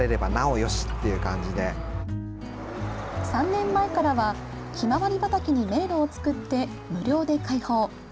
３年前からはひまわり畑に迷路を作って、無料で開放。